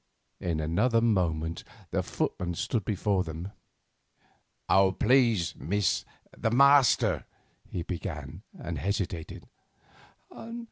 In another moment the footman stood before them. "Please, miss, the master," he began, and hesitated.